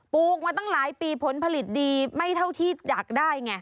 ลูกมาตั้งหลายปีผลผลิตดีไม่เท่าที่อยากได้ไง